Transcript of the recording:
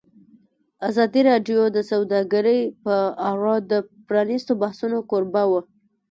ازادي راډیو د سوداګري په اړه د پرانیستو بحثونو کوربه وه.